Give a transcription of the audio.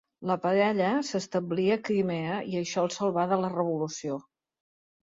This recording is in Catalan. La parella s'establí a Crimea i això els salvà de la Revolució.